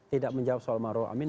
tidak menjawab soal maruf amin